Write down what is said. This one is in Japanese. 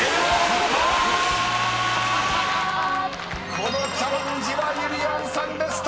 ［このチャレンジはゆりやんさんでストップ！］